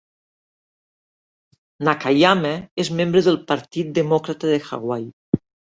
Nakayama és membre del Partir Demòcrata de Hawaii.